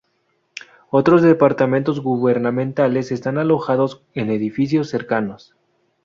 Otros departamentos gubernamentales están alojados en edificios cercanos.